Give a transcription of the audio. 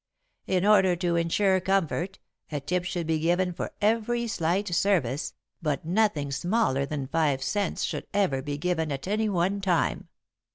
In order to insure comfort, a tip should be given for every slight service, but nothing smaller than five cents should ever be given at any one time.